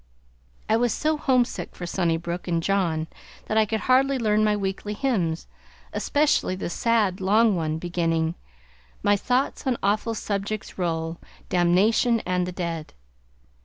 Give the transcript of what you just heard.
I was so homesick for Sunnybook and John that I could hardly learn my weekly hymns, especially the sad, long one beginning: "My thoughts on awful subjects roll, Damnation and the dead."